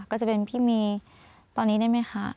ก็จะเป็นพี่เมย์ตอนนี้ได้ไหมคะ